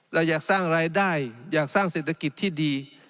เราอยากสร้างรายได้อยากสร้างเศรษฐกิจที่ดี